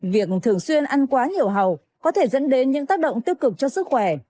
việc thường xuyên ăn quá nhiều hầu có thể dẫn đến những tác động tiêu cực cho sức khỏe